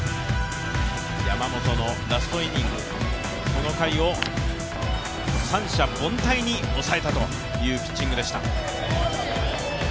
山本のラストイニング、この回を三者凡退に抑えたというピッチングでした。